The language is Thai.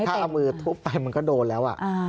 ถ้าเอามือทุบไปมันก็โดนแล้ว